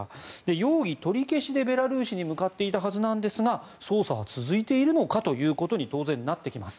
容疑取り消しでベラルーシに向かっていたはずなんですが捜査は続いているのかということに当然なってきます。